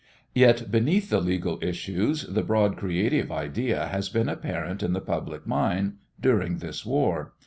Yet beneath the legal issues the broad creative idea has been apparent in the public mind during this war.